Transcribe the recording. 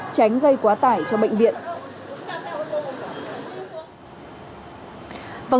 tránh gây quá tải cho bệnh viện